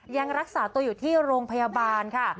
ยังรักษาตัวอยู่ที่โรงพยาบาลค่ะ